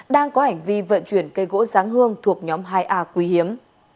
đang có hành vi vận chuyển cây gỗ sáng hương thuộc nhóm hai a quy hiếm